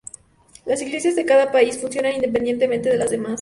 Las iglesias de cada país funcionan independientemente de las demás.